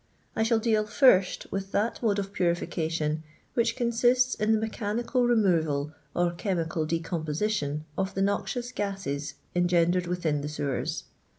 I shall deal first with that mode of purification which consists in the mechanical removal or chemical decomposition of the noxioiu gases engendered within the sewers.